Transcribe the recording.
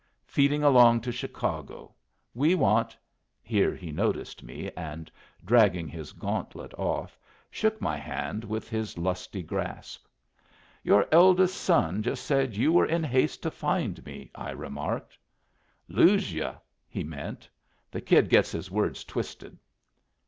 Feeding along to Chicago. We want " Here he noticed me and, dragging his gauntlet off, shook my hand with his lusty grasp. "Your eldest son just said you were in haste to find me," I remarked. "Lose you, he meant. The kid gets his words twisted."